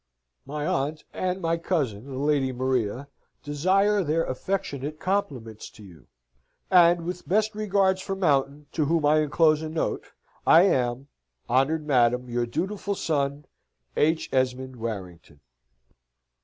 "My aunt and my cousin, the Lady Maria, desire their affectionate compliments to you, and with best regards for Mountain, to whom I enclose a note, I am, Honoured madam, your dutiful son, H. ESMOND WARRINGTON."